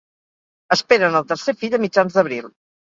Esperen el tercer fill a mitjans d'abril